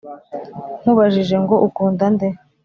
nkubajije ngo ukunda nde